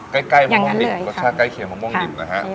ใกล้มะม่วงนี่รสชาติใกล้เคียงมะม่วงดิบนะฮะ